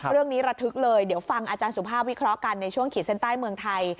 ระทึกเลยเดี๋ยวฟังอาจารย์สุภาพวิเคราะห์กันในช่วงขีดเส้นใต้เมืองไทย